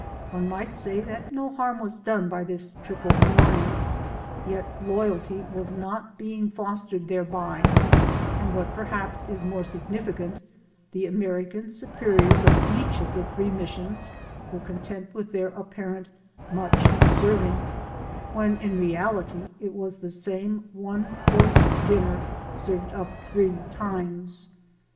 One might say that no harm was done by this triple alliance ; yet loyalty was not being fostered thereby, and what perhaps is more significant, the American superiors of each of the three missions were content with their apparent "much serving," when in reality it was the same one course dinner served up three times.